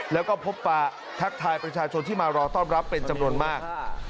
แล้วก็พบปะทักทายประชาชนที่มารอต้อนรับเป็นจำนวนมาก